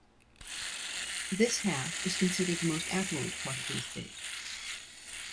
This half is considered the most affluent part of the estate.